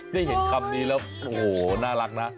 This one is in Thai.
ได้เห็นคำนี้แล้วโอ้โหน่ารักนะ